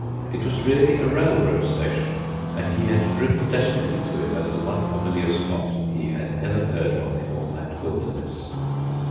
It was really a railroad station, and he had driven desperately to it as the one familiar spot he had ever heard of in all that wilderness.